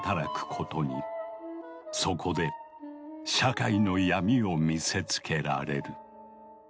そこで社会の闇を見せつけられる。